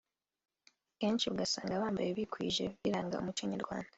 kenshi ugasanga bambaye bikwije biranga umuco nyarwanda